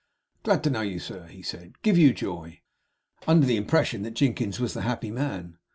'Glad to know you, sir,' he said. 'Give you joy!' Under the impression that Jinkins was the happy man.